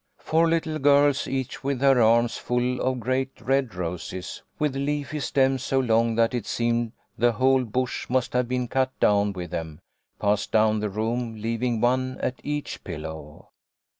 Four little girls, each with her arms full of great red roses, with leafy stems so long that it seemed the whole bush must have been cut down with them, passed down the room, leaving one at each pillow.